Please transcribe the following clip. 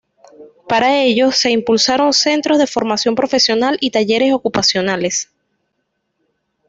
Para ello se impulsaron centros de formación profesional y talleres ocupacionales.